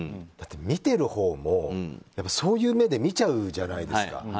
だって見てるほうもそういう目で見ちゃうじゃないですか。